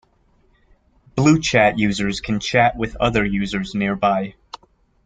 BlueChat users can chat with other users nearby.